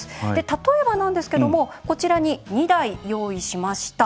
例えばなんですけどもこちらに２台用意しました。